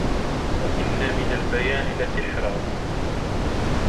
وَإِنَّ مِنْ الْبَيَانِ لَسِحْرًا